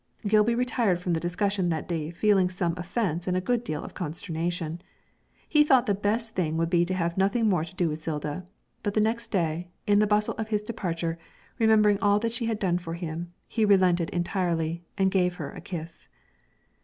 Gilby retired from the discussion that day feeling some offence and a good deal of consternation. He thought the best thing would be to have nothing more to do with Zilda; but the next day, in the bustle of his departure, remembering all she had done for him, he relented entirely, and he gave her a kiss.